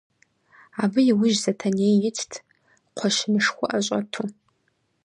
Абы иужь Сэтэней итт, кхъуэщынышхуэ ӏэщӏэту.